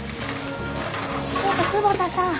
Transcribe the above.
ちょっと久保田さん。